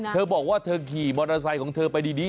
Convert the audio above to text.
เธอบอกว่าเธอขี่มอเตอร์ไซค์ของเธอไปดี